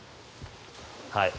はい。